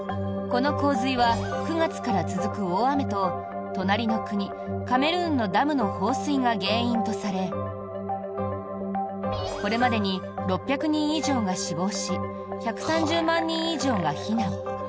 この洪水は９月から続く大雨と隣の国、カメルーンのダムの放水が原因とされこれまでに６００人以上が死亡し１３０万人以上が避難。